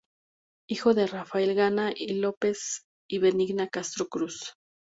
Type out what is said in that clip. Hijo de Rafael Gana y López y Benigna Castro Cruz.